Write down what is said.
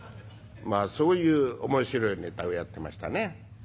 まあそういう面白いネタをやってましたね。